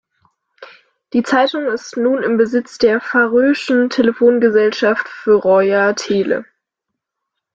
Die Zeitung ist nun im Besitz der färöischen Telefongesellschaft Føroya Tele.